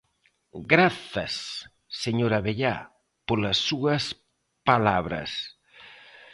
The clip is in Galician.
Grazas, señor Abellá, polas súas palabras.